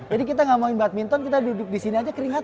jadi kita gak mau badminton kita duduk disini aja keringatan